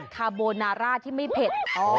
คาโบนาร่าที่ไม่เผ็ด